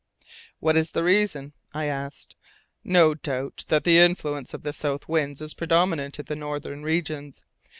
"What is the reason?" I asked. "No doubt that the influence of the south winds is predominant in the northern regions.